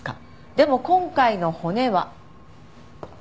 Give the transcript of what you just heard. でも今回の骨は。